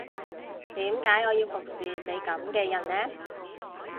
點解我要服侍你噉嘅人呢